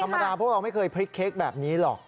ธรรมดาพวกเราไม่เคยพลิกเค้กแบบนี้หรอก